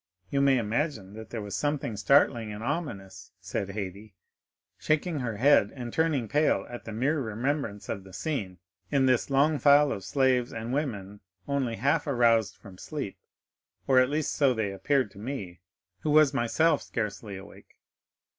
You may imagine there was something startling and ominous," said Haydée, shaking her head and turning pale at the mere remembrance of the scene, "in this long file of slaves and women only half aroused from sleep, or at least so they appeared to me, who was myself scarcely awake.